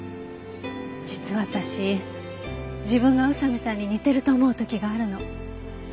実は私自分が宇佐見さんに似てると思う時があるの。